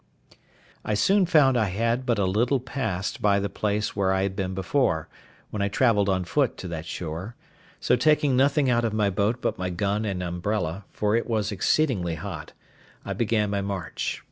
I soon found I had but a little passed by the place where I had been before, when I travelled on foot to that shore; so taking nothing out of my boat but my gun and umbrella, for it was exceedingly hot, I began my march.